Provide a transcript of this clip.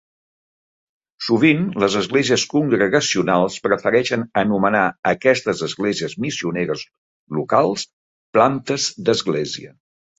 Sovint, les esglésies congregacionals prefereixen anomenar aquestes esglésies missioneres locals "plantes d'església".